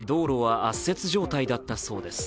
当時、道路は圧雪状態だったそうです。